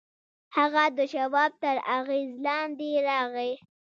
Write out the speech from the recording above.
هغه د شواب تر اغېز لاندې راغی